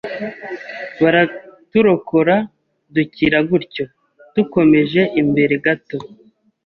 baraturokora dukira gutyo, dukomeje imbere gato